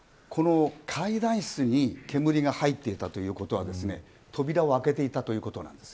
会談室に煙が入っていたということは扉を開けていたということなんです。